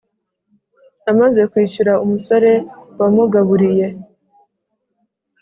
amaze kwishyura umusore wamugaburiye